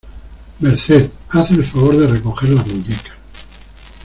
Merced, ¡haz el favor de recoger las muñecas!